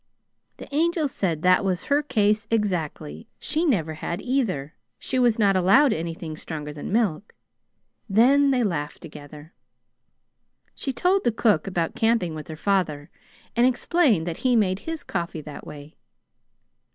The Angel said that was her case exactly she never had, either; she was not allowed anything stronger than milk. Then they laughed together. She told the cook about camping with her father, and explained that he made his coffee that way.